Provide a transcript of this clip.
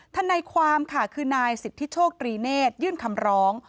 ทนายความค่ะคือนายสิทธิโชคตรีเนธยื่นคำร้อง